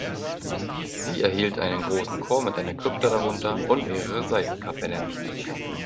Sie erhielt einen großen Chor mit einer Krypta darunter und mehrere Seitenkapellen.